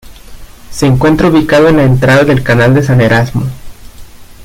Se encuentra ubicado en la entrada del canal de San Erasmo.